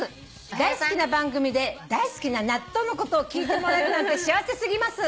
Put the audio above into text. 大好きな番組で大好きな納豆のことを聞いてもらえるなんて幸せすぎます。